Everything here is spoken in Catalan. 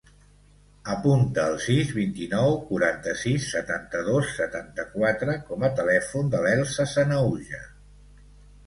Apunta el sis, vint-i-nou, quaranta-sis, setanta-dos, setanta-quatre com a telèfon de l'Elsa Sanahuja.